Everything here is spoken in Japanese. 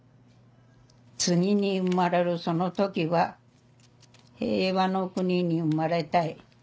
「次に生まれるその時は平和の国に生まれたい。